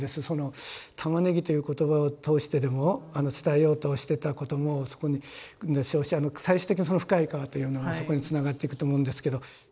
その「玉ねぎ」という言葉を通してでも伝えようとしてたこともそこに最終的に「深い河」というのはそこにつながっていくと思うんですけど。